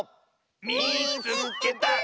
「みいつけた！」。